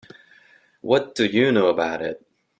What do you know about it?